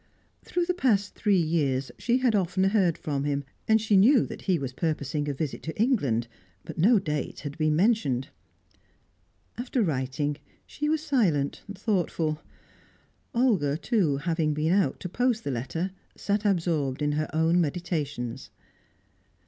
Through the past three years she had often heard from him, and she knew that he was purposing a visit to England, but no date had been mentioned. After writing, she was silent, thoughtful. Olga, too, having been out to post the letter, sat absorbed in her own meditations.